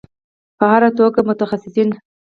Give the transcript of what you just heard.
په هر توګه متخصصین